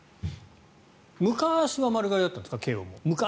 昔は丸刈りだったんですか？